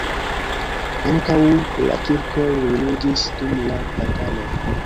Ankaŭ la kirkoj ruiniĝis dum la bataloj.